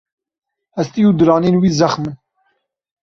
Hestî û diranên wî zexm in.